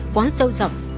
quá sâu dọc